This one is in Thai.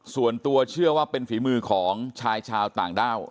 ส่วนตัวเชื่อว่าเป็นฝีมือของชายชาวต่างด้าว